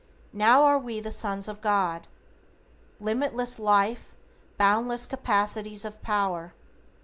"Now are we the Sons of God." Limitless life, boundless capacities of power.